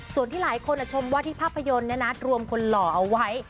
ส่วนที่หลายคนชมว่าที่ภาพยนตร์รวมคนหล่อเอาไว้